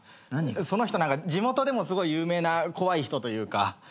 その人何か地元でもすごい有名な怖い人というか。